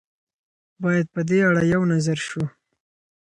باید په دې اړه یو نظر شو.